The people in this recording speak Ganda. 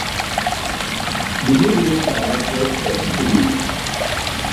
Bibulire ffe abazze okukulima.